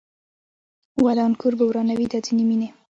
ودان کور به ورانوي دا ځینې مینې